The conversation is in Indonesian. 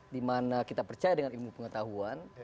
dimana kita percaya dengan ilmu pengetahuan